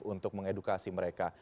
untuk mengedukasi mereka